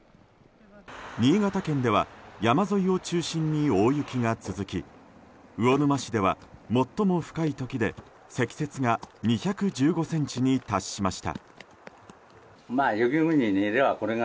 新潟県では山沿いを中心に大雪が続き魚沼市では最も深い時で積雪が２１５ｃｍに達しました。